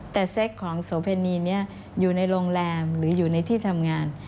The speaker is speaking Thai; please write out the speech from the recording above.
แต่เซ็กของโสเพณีนี้อยู่ในโรงแรมหรืออยู่ในที่ทำงาน